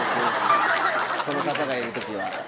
その方がいる時は。